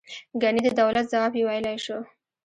ګنې د دولت ځواب یې ویلای شو.